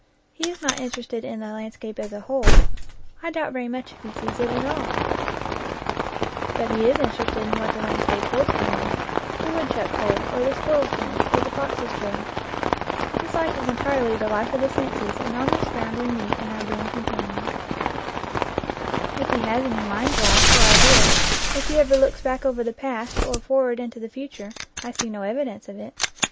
He is not interested in the landscape as a whole : I doubt very much if he sees it at all; but he is interested hi what the landscape holds for him the woodchuck hole, or the squir rel's den, or the fox's trail. His life is entirely the life of the senses, and on this ground we meet and are boon companions. If he has any mind life, and ideas, if he ever looks back over the past, or forward into the future, I see no evidence of it.